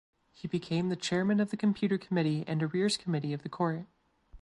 He became the chairman of the computer committee and arrears committee of the court.